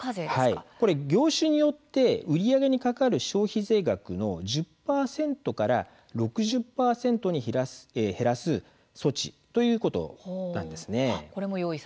業種によって売り上げにかかる消費税額の１０％から６０％に減らす措置ということなんです。